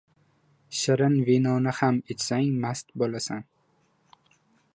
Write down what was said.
• Shirin vinoni ham ichsang mast bo‘lasan.